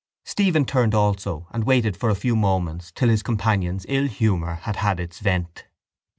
Stephen turned also and waited for a few moments till his companion's ill humour had had its vent.